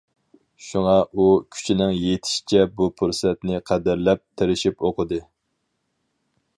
شۇڭا، ئۇ كۈچىنىڭ يېتىشىچە بۇ پۇرسەتنى قەدىرلەپ، تىرىشىپ ئوقۇدى.